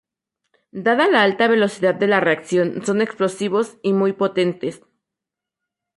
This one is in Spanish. Dada la alta velocidad de la reacción son explosivos muy potentes.